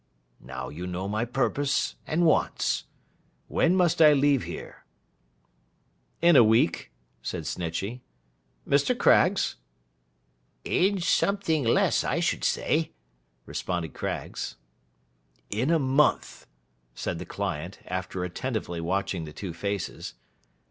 Now you know my purpose, and wants. When must I leave here?' 'In a week,' said Snitchey. 'Mr. Craggs?' 'In something less, I should say,' responded Craggs. 'In a month,' said the client, after attentively watching the two faces.